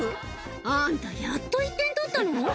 あーんた、やっと１点取ったの？